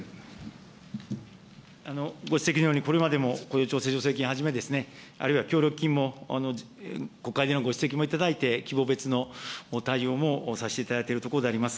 ご指摘のように、これまでも雇用調整助成金をはじめですね、あるいは協力金も国会でのご指摘も頂いて、規模別の対応もさせていただいているところでございます。